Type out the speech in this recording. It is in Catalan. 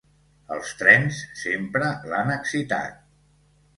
Els trens sempre l'han excitat.